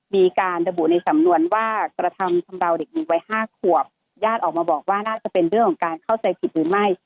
มีการระบุในสำนวนว่ากระทำชำราวเด็กหญิงวัยห้าขวบญาติออกมาบอกว่าน่าจะเป็นเรื่องของการเข้าใจผิดหรือไม่